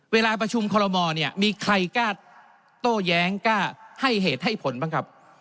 เวลาประชุมคอลโลมอลเนี่ยมีใครกล้าโต้แย้งกล้าให้เหตุให้ผลบ้างครับ